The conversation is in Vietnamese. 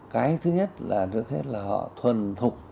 cái thứ nhất là trước hết là họ thuần thục